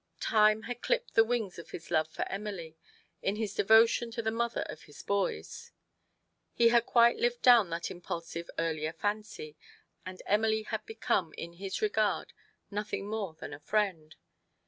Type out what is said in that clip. Time had clipped the wings of his love for Emily in his devotion to the mother of his boys : he had quite lived down that impulsive earlier fancy, and Emily had become in his regard nothing more than a friend.